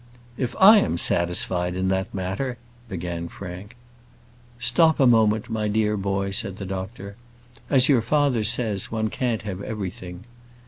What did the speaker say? "If I am satisfied in that matter " began Frank. "Stop a moment, my dear boy," said the doctor. "As your father says, one can't have everything.